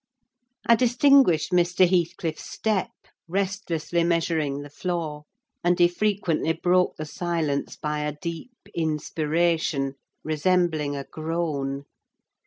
I distinguished Mr. Heathcliff's step, restlessly measuring the floor, and he frequently broke the silence by a deep inspiration, resembling a groan.